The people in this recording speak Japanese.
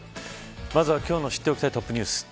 まずは今日の知っておきたいトップニュース。